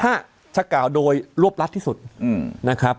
ถ้าเฉพาะโดยรวบรัฐที่สุดนะครับ